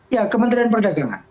ya kementerian perdagangan